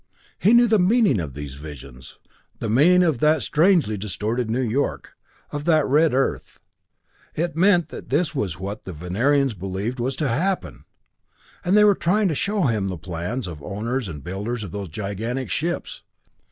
He knew the meaning of these visions the meaning of that strangely distorted New York, of that red earth. It meant that this was what the Venerians believed was to happen! They were trying to show him the plans of the owners and builders of those gigantic ships!